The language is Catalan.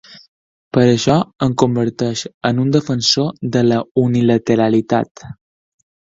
Per això em converteixo en un defensor de la unilateralitat.